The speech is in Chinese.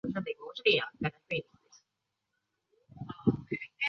樱前线来进行预测。